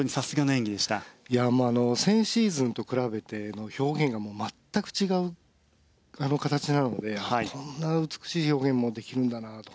いやもう先シーズンと比べての表現がもう全く違う形なのでこんな美しい表現もできるんだなと。